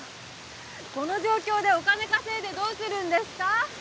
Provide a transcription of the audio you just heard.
この状況でお金稼いでどうするんですか？